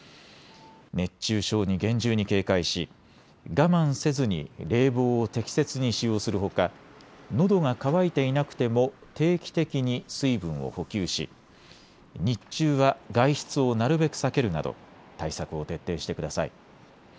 熱中症に厳重に警戒し我慢せずに冷房を適切に使用するほかのどが渇いていなくても定期的に水分を補給し日中は外出をなるべく避けるなど対策を徹底してください。